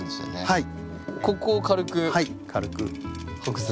はい。